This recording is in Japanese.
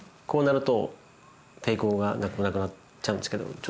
こうなると抵抗がなくなっちゃうんですけど。